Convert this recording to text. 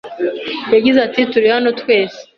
Yagize ati “Turi hano twese